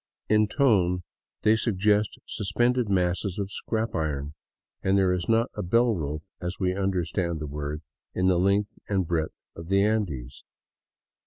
In tone they suggest suspended masses of scrap iron, and there is not a bell rope, as we understand the word, in the length and breadth of the Andes.